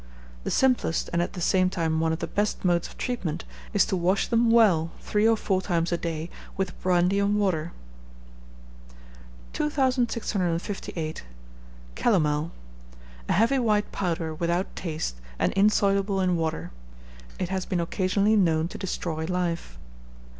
The simplest, and at the same time one of the best modes of treatment, is to wash them well three or four times a day with brandy and water. 2658. Calomel. A heavy white powder, without taste, and insoluble in water. It has been occasionally known to destroy life.